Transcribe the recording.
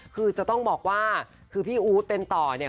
คือจะต้องบอกว่าคือพี่อู๊ดเป็นต่อเนี่ย